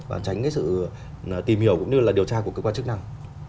và tránh sự tìm hiểu cũng như là điều tra của cơ quan chức năng